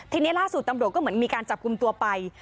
ทีนี้ล่าสุดตำรวจก็เหมือนมีการจับกลุ่มตัวไป